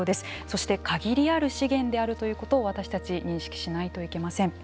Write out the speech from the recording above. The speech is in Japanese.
そして限りある資源であるということを私たち認識しないといけません。